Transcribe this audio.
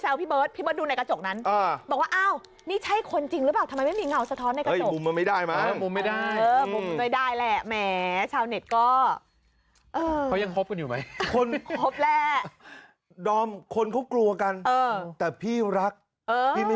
ไม่รู้ว่าใช้แฟนตัวเองหรือเปล่าแล้วมันมีประเด็นด้วยนะผู้ชม